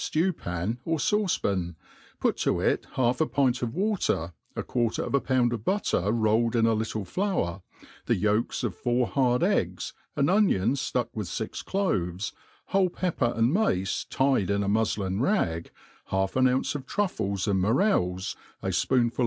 «r ((ftep ftew pan, or fauce pan, put to it half a pint of water, a ijuarter of a pound of Gutter rolled in a little flour, the yolks of four bard eggs, ap onion fiuck with fix cloves, whole pepper and mace tied in a rtiudin ragj half ^n ounce of truffles and Itiorels, a fpoonful